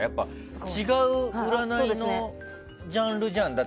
違う占いのジャンルじゃん。